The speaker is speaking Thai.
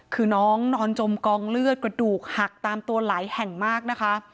คือน้องนอนจมกองเลือดกระดูกหักตามตัวหลายแห่งมากนะคะ